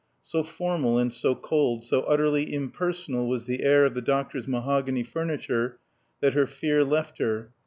So formal and so cold, so utterly impersonal was the air of the doctor's mahogany furniture that her fear left her.